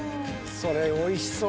それ、おいしそう。